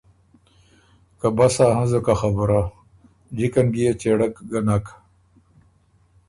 که بسا هںزُک ا خبُره، جِکن بيې چېړک ګه نک۔